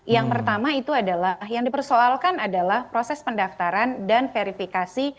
yang pertama itu adalah yang dipersoalkan adalah proses pendaftaran dan verifikasi